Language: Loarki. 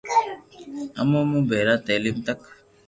امو مون ڀيرا، تعليم تڪ